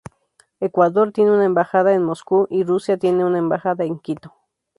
Ecuador tiene una embajada en Moscú, y Rusia tiene una embajada en Quito.